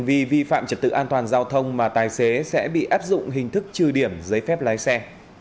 vì vi phạm trật tự an toàn giao thông mà tài xế sẽ bị áp dụng hình thức trừ điểm giấy phép lái xe